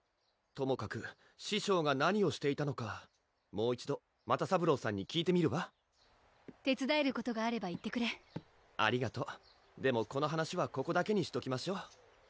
ともかく師匠が何をしていたのかもう一度又三郎さんに聞いてみるわ手伝えることがあれば言ってくれありがとでもこの話はここだけにしときましょ